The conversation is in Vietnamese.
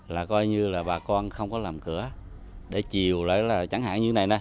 là coi như là bà con không có làm cửa để chiều lại là chẳng hạn như thế này nè